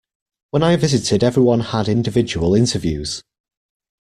When I visited everyone had individual interviews.